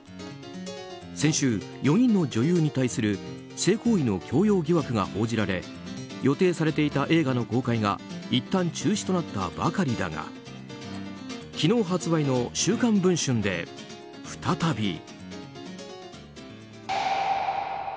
先週、４人の女優に対する性行為の強要疑惑が報じられ予定されていた映画の公開がいったん中止となったばかりだが昨日発売の「週刊文春」で再び。